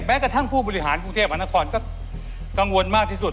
กระทั่งผู้บริหารกรุงเทพมหานครก็กังวลมากที่สุด